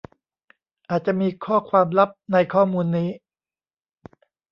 อาจจะมีข้อความลับในข้อมูลนี้